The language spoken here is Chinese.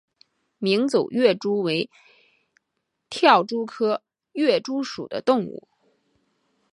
鸣走跃蛛为跳蛛科跃蛛属的动物。